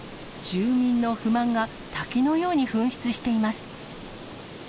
住民の不満が、滝のように噴出しています。